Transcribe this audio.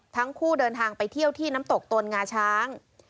ทั้งคู่เดินทางไปเที่ยวที่น้ำตกตนงาช้าง